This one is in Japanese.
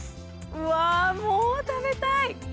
うわもう食べたい！